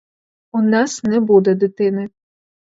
У нас не буде дитини.